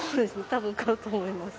たぶん買うと思います。